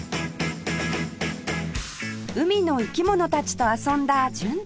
海の生き物たちと遊んだ純ちゃん